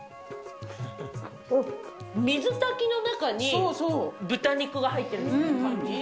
水炊きの中に豚肉が入ってるみたいな感じ。